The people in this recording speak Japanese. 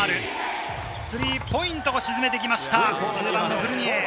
スリーポイントを沈めてきました、フルニエ。